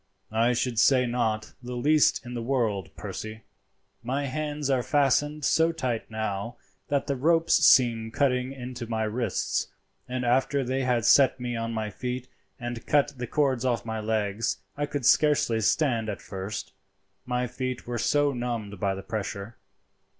"I should say not the least in the world, Percy. My hands are fastened so tight now that the ropes seem cutting into my wrists, and after they had set me on my feet and cut the cords off my legs I could scarcely stand at first, my feet were so numbed by the pressure.